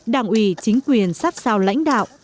đảng ủy chính quyền sát sao lãnh đạo